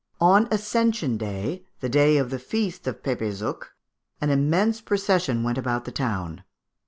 On Ascension Day, the day of the Feast of Pepézuch, an immense procession went about the town.